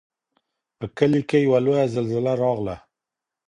په کلي کې یوه لویه زلزله راغله.